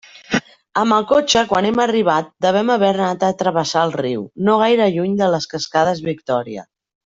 Amb el cotxe, quan hem arribat, devem haver anat a travessar el riu no gaire lluny de les cascades Victòria.